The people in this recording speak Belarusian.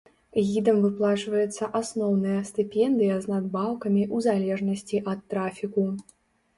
Гідам выплачваецца асноўная стыпендыя з надбаўкамі ў залежнасці ад трафіку.